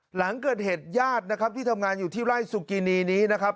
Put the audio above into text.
หลังเกิดเหตุญาตินะครับที่ทำงานอยู่ที่ไร่สุกินีนี้นะครับ